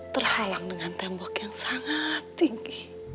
terhalang dengan tembok yang sangat tinggi